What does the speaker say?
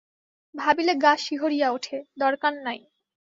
ভাবিলে গা শিহরিয়া ওঠে, দরকাব নাই!